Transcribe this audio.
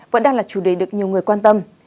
vẫn đang là chủ đề được nhiều người quan tâm